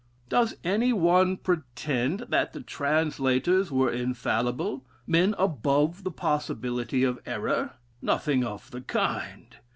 Does any one pretend that the translators were infallible men above the possibility of error? Nothing of the kind.